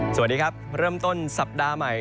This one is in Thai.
สวัสดีครับเริ่มต้นสัปดาห์ใหม่